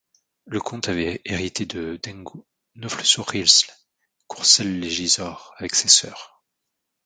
Le comte avait hérité de Dangu, Neaufles-sur-Risle, Courcelles-lès-Gisors avec ses sœurs.